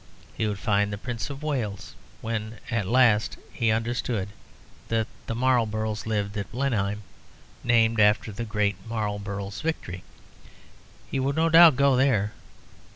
He would find the Prince of Wales. When at last he understood that the Marlboroughs live at Blenheim, named after the great Marlborough's victory, he would, no doubt, go there.